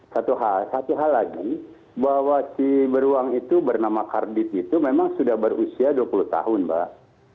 satu hal satu hal lagi bahwa si beruang itu bernama kardit itu memang sudah berusia dua puluh tahun mbak